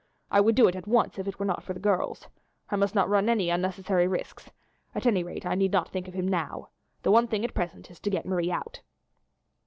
I would do it at once if it were not for the girls. I must not run any unnecessary risks, at any rate I need not think of him now; the one thing at present is to get Marie out."